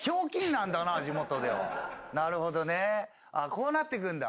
こうなっていくんだ。